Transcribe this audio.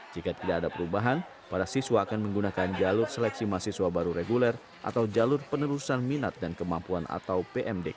jika tidak ada perubahan para siswa akan menggunakan jalur seleksi mahasiswa baru reguler atau jalur penerusan minat dan kemampuan atau pmdk